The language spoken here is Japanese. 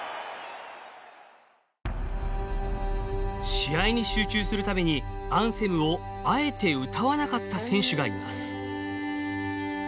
試合に集中するためにアンセムをあえて歌わなかった選手がいます。